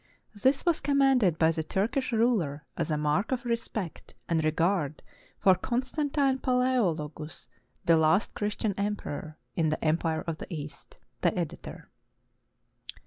This was commanded by the Turkish ruler as a mark of respect and re gard for Constantine Palaeologus, the last Christian emperor in the Empire of the East. The Editor.